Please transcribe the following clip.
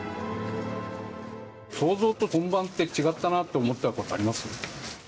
想像と本番って違ったなって思ったことあります？